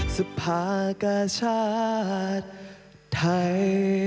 สภากาชาติไทย